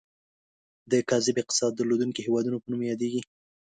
د کاذب اقتصاد درلودونکي هیوادونو په نوم یادیږي.